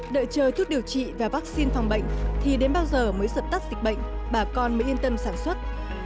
đợi chờ thuốc điều trị và vaccine phòng bệnh thì đến bao giờ mới sợt tắt dịch bệnh bà con mới yên tâm sản xuất